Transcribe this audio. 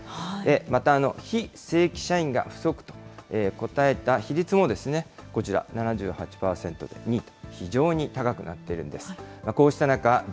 また非正規社員が不足と答えた比率も、こちら、７８％と２位と非常に高くなっているんです。